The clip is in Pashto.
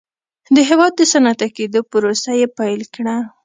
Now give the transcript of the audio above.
د هېواد د صنعتي کېدو پروسه یې پیل کړه.